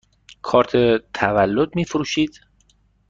کارت تولد می فروشید؟